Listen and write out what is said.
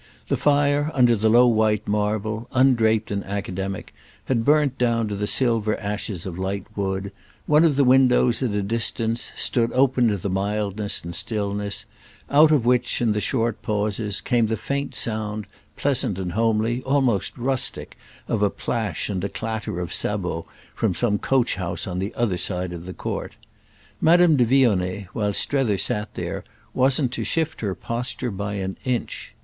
The fire, under the low white marble, undraped and academic, had burnt down to the silver ashes of light wood, one of the windows, at a distance, stood open to the mildness and stillness, out of which, in the short pauses, came the faint sound, pleasant and homely, almost rustic, of a plash and a clatter of sabots from some coach house on the other side of the court. Madame de Vionnet, while Strether sat there, wasn't to shift her posture by an inch.